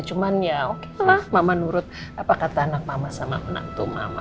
cuman ya oke lah mama nurut apa kata anak mama sama anak itu mama